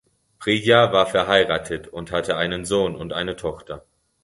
Priya war verheiratet und hatte einen Sohn und eine Tochter.